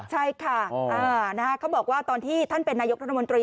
ใช่ค่ะเขาบอกว่าตอนที่ท่านเป็นนายกรัฐมนตรี